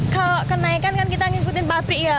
kalau kenaikan kan kita ngikutin pabrik ya